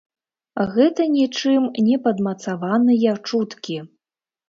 Гэта ні чым не падмацаваныя чуткі.